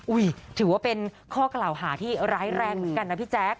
ถือว่าเป็นข้อกล่าวหาที่ร้ายแรงเหมือนกันนะพี่แจ๊ค